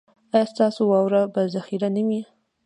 ایا ستاسو واوره به ذخیره نه وي؟